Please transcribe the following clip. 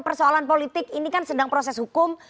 persoalan politik ini kan sedang proses hukum